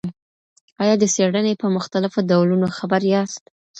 آیا د څېړني په مختلفو ډولونو خبر یاست؟